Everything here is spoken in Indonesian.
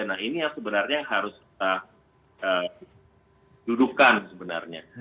nah ini yang sebenarnya harus kita dudukkan sebenarnya